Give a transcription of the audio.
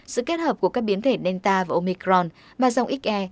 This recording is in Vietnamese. sự kết hợp của các biến thể delta và omicron và dòng xe